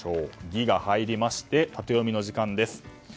「ギ」が入りましてタテヨミの時間です。